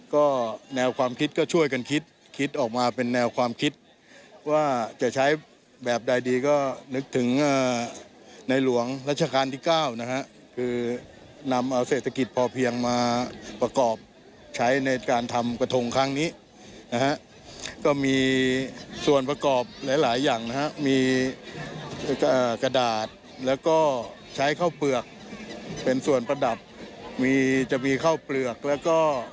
ก็แนวความคิดก็ช่วยกันคิดคิดออกมาเป็นแนวความคิดว่าจะใช้แบบใดดีก็นึกถึงในหลวงรัชกาลที่๙นะฮะคือนำเอาเศรษฐกิจพอเพียงมาประกอบใช้ในการทำกระทงครั้งนี้นะฮะก็มีส่วนประกอบหลายหลายอย่างนะฮะมีกระดาษแล้วก็ใช้ข้าวเปลือกเป็นส่วนประดับมีจะมีข้าวเปลือกแล้วก็